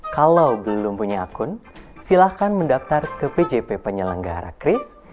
kalau belum punya akun silahkan mendaftar ke pjp penyelenggara kris